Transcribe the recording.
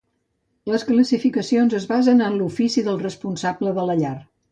Les classificacions es basen en l'ofici del responsable de la llar.